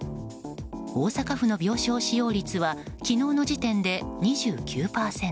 大阪府の病床使用率は昨日の時点で２９％。